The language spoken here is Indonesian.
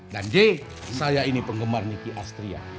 dan ji saya ini penggemar nikki astria